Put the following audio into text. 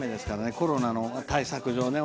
コロナの対策上ね。